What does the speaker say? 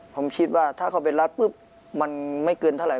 ผมคิดว่าถ้าเขาไปรัดปุ๊บมันไม่เกินเท่าไห